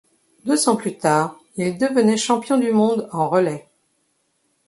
Deux ans plus tard, il devenait champion du monde en relais.